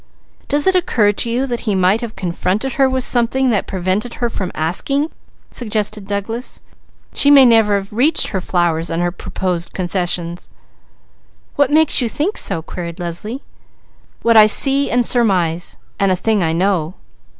"Does it occur to you that he might have confronted her with something that prevented her from asking?" suggested Douglas. "She may never have reached her flowers and her proposed concessions." "What makes you think so?" queried Leslie. "What I see and surmise, and a thing I know."